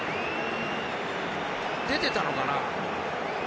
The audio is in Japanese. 出てたのかな？